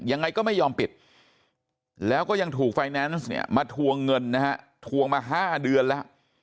ยังไงก็ไม่ยอมปิดแล้วก็ยังถูกไฟแนนซ์เนี่ยมาทวงเงินนะฮะทวงมา๕เดือนแล้ว